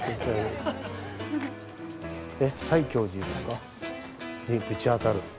えっ西教寺ですか？にぶち当たる。